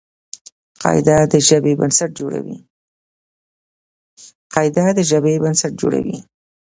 قاعده د ژبي بنسټ جوړوي.